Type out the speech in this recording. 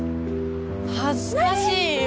恥ずかしいよ。